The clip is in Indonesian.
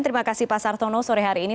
terima kasih pak sartono sore hari ini